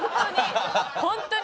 本当に。